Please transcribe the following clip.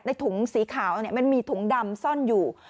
ในถุงสีขาวเนี่ยมันมีถุงดำซ่อนอยู่